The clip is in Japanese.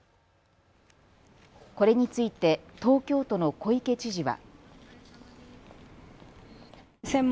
これについて東京都の小池知事は。